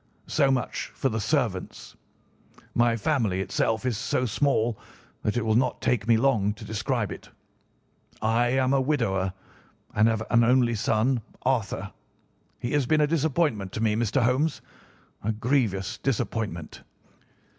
"So much for the servants. My family itself is so small that it will not take me long to describe it. I am a widower and have an only son, Arthur. He has been a disappointment to me, Mr. Holmes—a grievous disappointment.